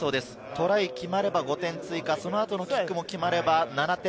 トライ決まれば５点追加、その後のキックも決まれば７点。